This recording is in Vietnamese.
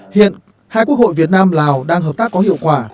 hiện hai quốc hội việt nam lào đang hợp tác có hiệu quả